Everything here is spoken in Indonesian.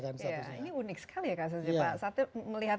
iya ini unik sekali ya kasusnya pak